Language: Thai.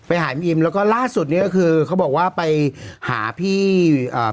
ไปหาพี่อิมแล้วก็ล่าสุดเนี้ยก็คือเขาบอกว่าไปหาพี่อ่า